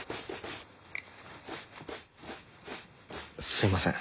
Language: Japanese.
すみません。